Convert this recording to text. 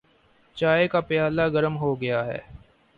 چائے کا پیالہ گرم ہوگیا ہے۔